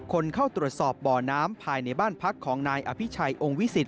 คนเข้าตรวจสอบบ่อน้ำภายในบ้านพักของนายอภิชัยองค์วิสิต